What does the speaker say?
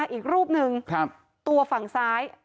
อีกรูปหนึ่งตัวฝั่งซ้าย